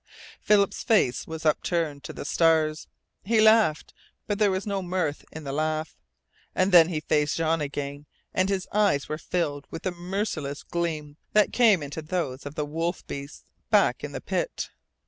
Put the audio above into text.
Philip's face was upturned to the stars. He laughed, but there was no mirth in the laugh. And then he faced Jean again, and his eyes were filled with the merciless gleam that came into those of the wolf beasts back in the pit.